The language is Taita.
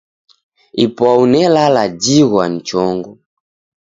Ipwau nelala jighwa ni chongo.